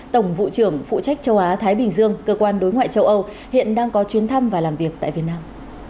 tổng vụ trưởng phụ trách châu á thái bình dương cơ quan đối ngoại châu âu hiện đang có chuyến thăm và làm việc tại việt nam